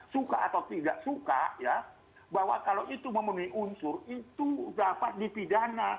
suka atau tidak suka ya bahwa kalau itu memenuhi unsur itu dapat dipidana